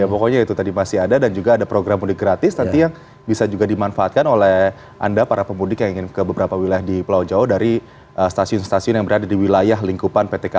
ya pokoknya itu tadi masih ada dan juga ada program mudik gratis nanti yang bisa juga dimanfaatkan oleh anda para pemudik yang ingin ke beberapa wilayah di pulau jawa dari stasiun stasiun yang berada di wilayah lingkupan